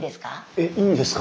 えっいいんですか？